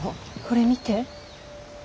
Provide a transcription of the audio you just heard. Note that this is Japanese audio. これ見て。